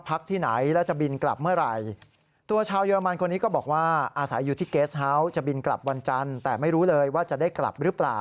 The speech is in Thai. พักที่ไหนแล้วจะบินกลับเมื่อไหร่